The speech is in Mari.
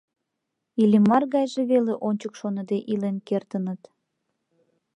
Иллимар гайже веле ончык шоныде илен кертыныт.